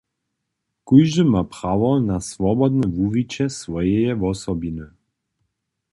Kóždy ma prawo na swobodne wuwiće swojeje wosobiny.